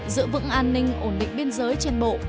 giữ vững an ninh ổn định biên giới trên bộ